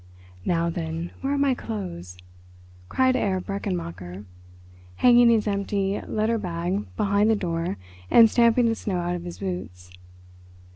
"Now, then, where are my clothes?" cried Herr Brechenmacher, hanging his empty letter bag behind the door and stamping the snow out of his boots.